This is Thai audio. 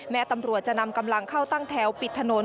ตำรวจจะนำกำลังเข้าตั้งแถวปิดถนน